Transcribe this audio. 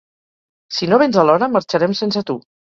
Si no vens a l'hora, marxarem sense tu.